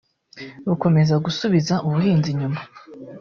bukomeza gusubiza umuhinzi inyuma